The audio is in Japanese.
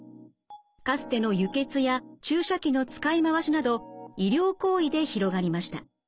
かつての輸血や注射器の使い回しなど医療行為で広がりました。